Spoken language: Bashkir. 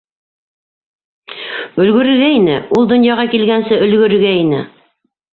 Өлгөрөргә ине, ул донъяға килгәнсе өлгөрөргә ине.